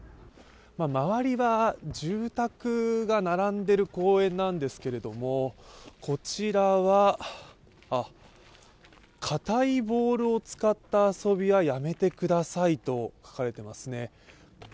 周りは住宅が並んでいる公園なんですけれどもこちらは、「かたいボールを使った遊びはやめてください」と書かれてますね。